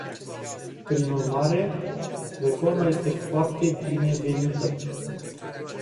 Prin urmare, reforma este foarte binevenită.